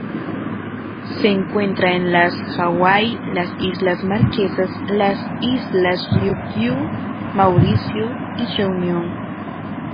Se encuentra en las Hawaii, las Islas Marquesas, las Islas Ryukyu, Mauricio y Reunión.